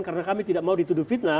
karena kami tidak mau dituduh fitnah